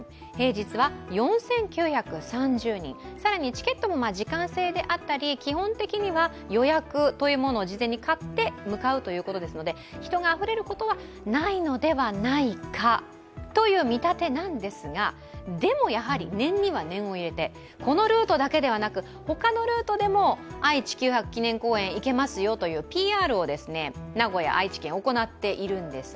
チケットも時間制であったり、基本的には予約を事前に買って向かうということですので、人があふれることはないのではないかという見立てなんですが、でもやはり念には念を入れてこのルートだけではなく、他のルートでも愛・地球博記念公園に行けますよというＰＲを名古屋、愛知県は行っているんです。